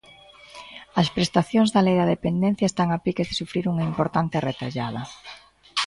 As prestacións da Lei da Dependencia están a piques de sufrir unha importante retallada.